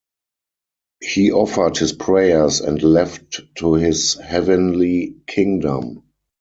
He offered his prayers and left to his heavenly kingdom.